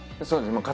そうです。